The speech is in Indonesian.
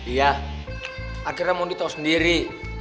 iya akhirnya mondi tau sendiri